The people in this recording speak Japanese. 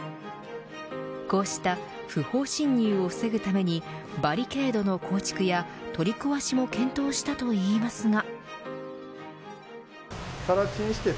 こうした不法侵入を防ぐためにバリケードの構築や取り壊しも検討したといいますが。